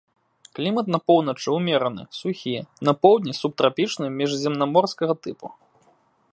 Клімат на поўначы ўмераны, сухі, на поўдні субтрапічны міжземнаморскага тыпу.